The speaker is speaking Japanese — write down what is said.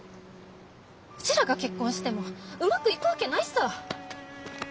うちらが結婚してもうまくいくわけないさ。